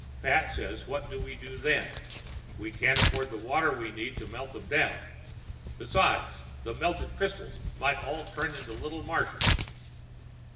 Pat says what do we do then? We can't afford the water we need to melt them down. Besides, the melted crystals might all turn into little Martians.